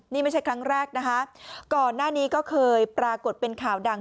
นี่ไม่ใช่ครั้งแรกนะคะก่อนหน้านี้ก็เคยปรากฏเป็นข่าวดัง